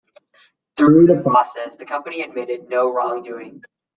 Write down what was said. Through the process, the company admitted no wrongdoing.